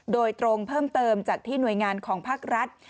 โดยตรงเพิ่มเติมจากที่หน่วยงานของภาครัฐ